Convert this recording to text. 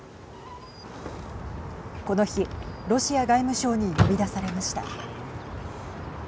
この日、ロシア外務省に呼び出されました。